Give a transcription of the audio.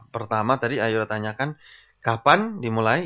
pertama tadi ayora tanyakan kapan dimulai